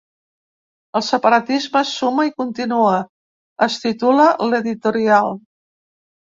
“El separatisme suma i continua”, es titula l’editorial.